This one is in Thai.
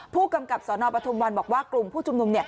ผู้กำกับสนปทุมวันบอกว่ากลุ่มผู้ชุมนุม